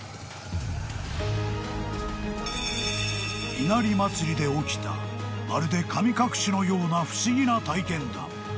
［稲荷祭りで起きたまるで神隠しのような不思議な体験談］